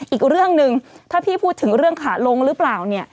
อีกเรื่องหนึ่งถ้าพี่พูดถึงเรื่องขาลงหรือเปล่าเนี่ย